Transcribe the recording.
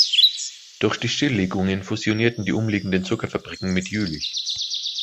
Durch die Stilllegungen fusionierten die umliegenden Zuckerfabriken mit Jülich.